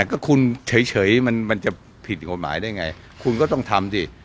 ก็คุณเฉยมันจะผิดกฎหมายได้ไงคุณก็ต้องทำสิ